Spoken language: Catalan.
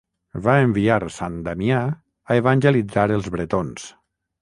Va enviar Sant Damià a evangelitzar els bretons.